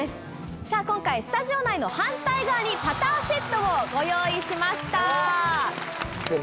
今回スタジオ内の反対側にパターセットをご用意しました。